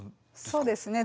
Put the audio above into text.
そうですね。